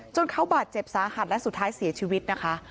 เขาบาดเจ็บสาหัสและสุดท้ายเสียชีวิตนะคะ